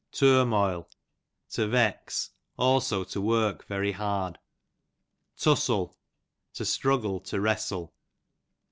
Turmoil, to vex; also to work very hard. Tussle, to struggle, to ivrestle.